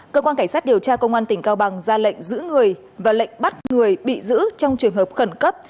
cơ quan cảnh sát điều tra công an tỉnh cao bằng ra lệnh giữ người và lệnh bắt người bị giữ trong trường hợp khẩn cấp